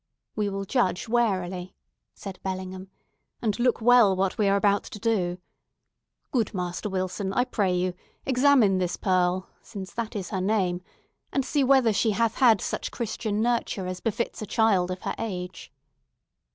"We will judge warily," said Bellingham, "and look well what we are about to do. Good Master Wilson, I pray you, examine this Pearl—since that is her name—and see whether she hath had such Christian nurture as befits a child of her age."